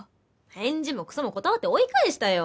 返事もクソも断って追い返したよ。